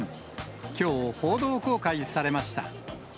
きょう、報道公開されました。